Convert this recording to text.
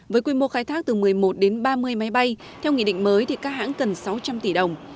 với quy mô khai thác từ một mươi một đến ba mươi máy bay theo nghị định mới thì các hãng cần sáu trăm linh tỷ đồng